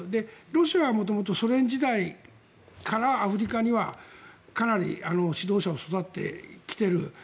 ロシアは元々、ソ連時代からアフリカにはかなり指導者を育ててきている。